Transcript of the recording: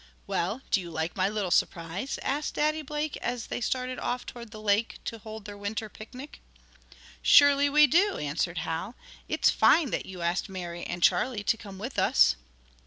"Well, do you like my little surprise?" asked Daddy Blake as they started off toward the lake, to hold their winter pic nic. "Surely we do!" answered Hal. "It's fine that you asked Mary and Charlie to come with us."